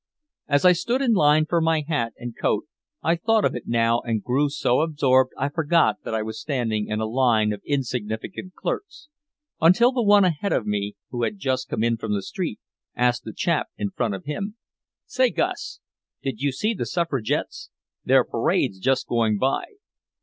As I stood in line for my hat and coat I thought of it now and grew so absorbed I forgot that I was standing in a line of insignificant clerks until the one ahead of me, who had just come in from the street, asked the chap in front of him: "Say, Gus, did you see the suffragettes? Their parade's just going by."